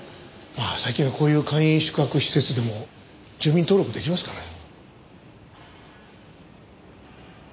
最近はこういう簡易宿泊施設でも住民登録できますからね。